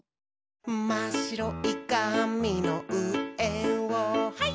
「まっしろいかみのうえをハイ！」